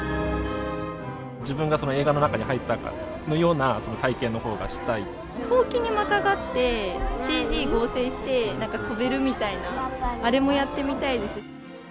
自分がその映画の中に入ったほうきにまたがって、ＣＧ合成して、なんか飛べるみたいな、あれもやってみたいです。